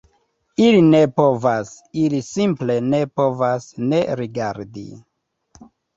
Ili ne povas, ili simple ne povas ne rigardi